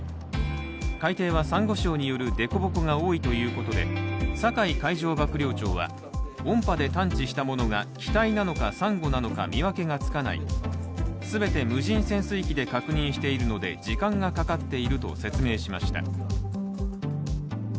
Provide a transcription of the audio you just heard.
海底はさんご礁による凸凹が多いということで酒井海上幕僚長は音波で探知したものが機体なのかさんごなのか見分けがつかない、全て無人潜水機で確認しているので時間がかかっていると説明しました。